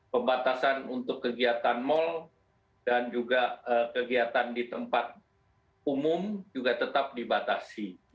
pembatasan untuk kegiatan mal dan juga kegiatan di tempat umum juga tetap dibatasi